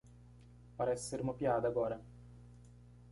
Parece ser uma piada agora.